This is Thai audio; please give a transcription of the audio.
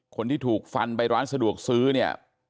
คนที่ถูกฟันไปร้านสะดวกซื้อเนี่ย